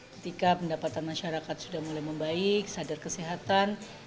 ketika pendapatan masyarakat sudah mulai membaik sadar kesehatan